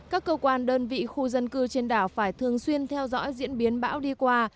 các cơ quan đơn vị khu dân cư trên đảo phải thường xuyên theo dõi diễn biến bão đi qua